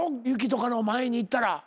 雪とかの前に行ったら。